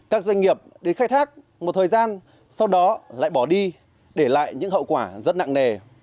các doanh nghiệp đến khai thác một thời gian sau đó lại bỏ đi để lại những hậu quả rất nặng nề